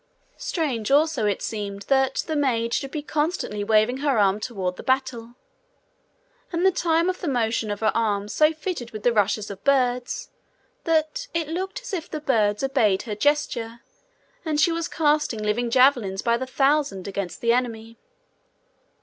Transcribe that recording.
Strange also it seemed that the maid should be constantly waving her arm toward the battle. And the time of the motion of her arm so fitted with the rushes of birds, that it looked as if the birds obeyed her gesture, and she was casting living javelins by the thousand against the enemy.